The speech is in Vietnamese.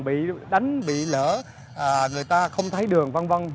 bị đánh bị lỡ người ta không thấy đường văn văn